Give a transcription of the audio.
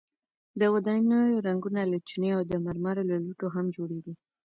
د ودانیو رنګونه له چونې او د مرمرو له لوټو هم جوړیږي.